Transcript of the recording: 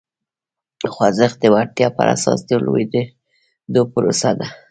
خوځښت د وړتیا پر اساس د لوړېدو پروسه ده.